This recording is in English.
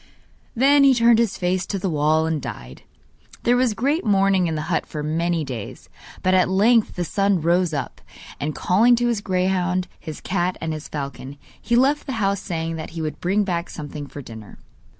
Then he turned his face to the wall and died. There was great mourning in the hut for many days, but at length the son rose up, and calling to his greyhound, his cat and his falcon, he left the house saying that he would bring back something for dinner.